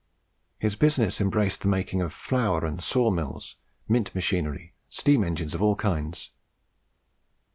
His business embraced the making of flour and saw mills, mint machinery, and steam engines of all kinds.